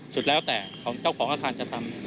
สุดแล้วแต่ของเจ้าของอาคารจะทำ